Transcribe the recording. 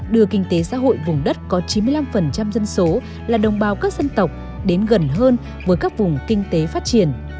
đưa kinh tế xã hội vùng đất có chín mươi năm dân số là đồng bào các dân tộc đến gần hơn với các vùng kinh tế phát triển